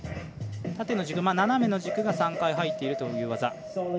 縦の軸、斜めの軸が３回入っているという技。